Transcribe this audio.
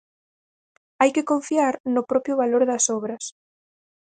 Hai que confiar no propio valor das obras.